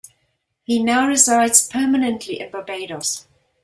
He now resides permanently in Barbados.